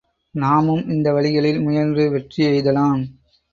நாமும் இந்த வழிகளில் முயன்று வெற்றி எய்தலாம்.